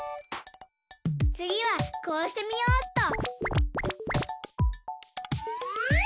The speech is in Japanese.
つぎはこうしてみようっと。